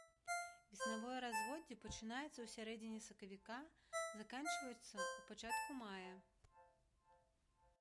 Веснавое разводдзе пачынаецца ў сярэдзіне сакавіка, заканчваецца ў пачатку мая.